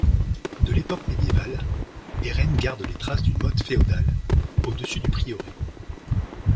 De l'époque médiévale, Airaines garde les traces d'une motte féodale, au-dessus du prieuré.